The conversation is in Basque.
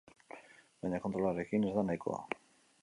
Baina kontrolarekin ez da nahikoa.